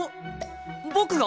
僕が？